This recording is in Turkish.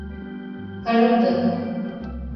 Karımdı…